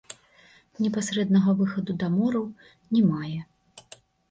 Непасрэднага выхаду да мораў не мае.